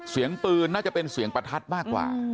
เสียงปืนน่าจะเป็นเสียงประทัดมากกว่า